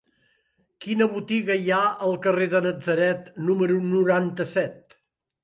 Quina botiga hi ha al carrer de Natzaret número noranta-set?